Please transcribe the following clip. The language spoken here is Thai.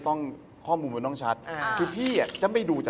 ตรงจุดเกิดเหตุมา